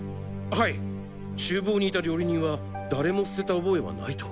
はい厨房にいた料理人は誰も捨てた覚えはないと。